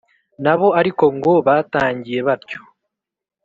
nabo ariko ngo batangiye batyo,